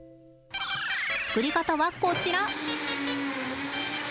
作り方はこちら！